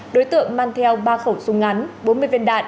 đối tượng mang theo ba khẩu súng ngắn bốn mươi viên đạn